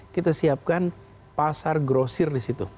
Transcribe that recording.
kita siapkan pasar grosir di situ